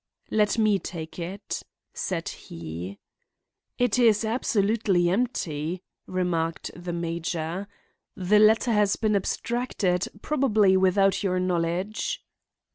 "Let me take it," said he. "It is absolutely empty," remarked the major. "The letter has been abstracted, probably without your knowledge."